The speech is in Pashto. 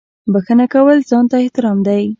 • بښنه کول ځان ته احترام دی.